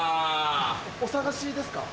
お探しですか？